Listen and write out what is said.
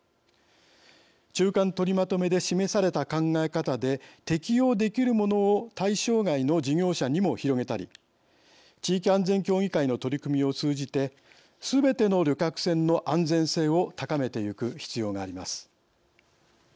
中間とりまとめで示された考え方で適用できるものを対象外の事業者にも広げたり地域安全協議会の取り組みを通じてすべての旅客船の安全性を高めてゆく必要があります。